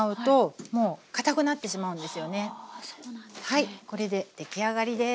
はいこれで出来上がりです。